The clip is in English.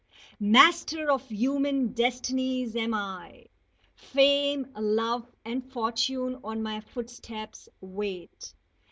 Master of human destinies am I! Fame, love, and fortune on my footsteps wait.